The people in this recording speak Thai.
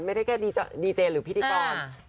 ไม่ได้แค่ดีเจหรือพิธีกร